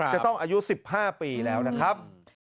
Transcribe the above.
จะต้องอายุ๑๕ปีแล้วนะครับ